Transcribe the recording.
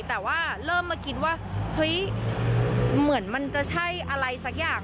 แต่ว่าเริ่มมาคิดว่าเฮ้ยเหมือนมันจะใช่อะไรสักอย่าง